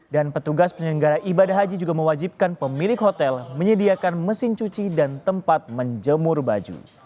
dan petugas penyelenggara ibadah haji juga mewajibkan pemilik hotel menyediakan mesin cuci dan tempat menjemur baju